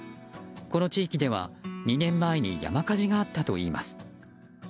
この地域では２年前に山火事があったといいます。